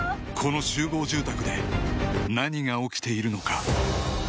この集合住宅で何が起きているのか？